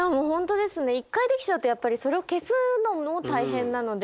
一回できちゃうとやっぱりそれを消すのも大変なので。